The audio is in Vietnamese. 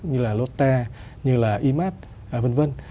như là lotte như là e mart v v